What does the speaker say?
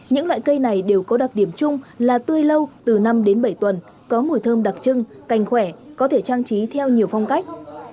những loại cây này đều có đặc điểm chung là tươi lâu từ năm đến bảy tuần có mùi thơm đặc trưng cành khỏe có thể trang trí theo nhiều phong cách